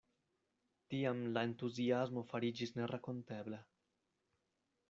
Tiam la entuziasmo fariĝis nerakontebla.